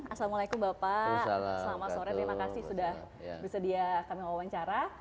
assalamualaikum bapak selamat sore terima kasih sudah bersedia kami wawancara